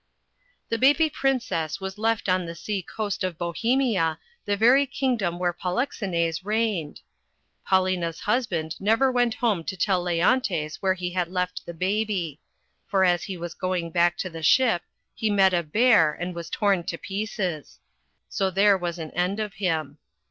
The baby Princess was left on the sea coast of Bohemia, the very kingdom where Polixenes reigned. Paulina's husband never went home to tell Leontes where he had left the baby ; for as he was going back to .the^ship, he met a bear and was torn to pieces. So there was an end of him.